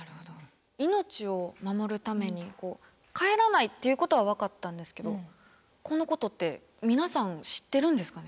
命を守るために帰らないっていうことは分かったんですけどこのことって皆さん知ってるんですかね？